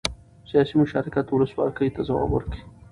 سیاسي مشارکت ولسواکۍ ته ځواک ورکوي